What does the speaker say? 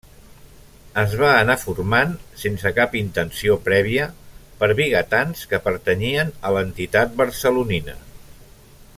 Es va anar formant, sense cap intenció prèvia, per vigatans que pertanyien a l'entitat barcelonina.